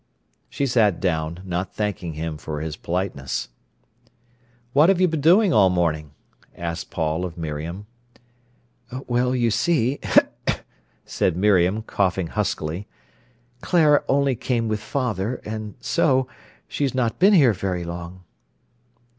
She sat down, not thanking him for his politeness. "What have you been doing all morning?" asked Paul of Miriam. "Well, you see," said Miriam, coughing huskily, "Clara only came with father—and so—she's not been here very long."